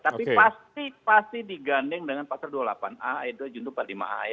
tapi pasti diganding dengan pasal dua puluh delapan a dua empat puluh lima a dua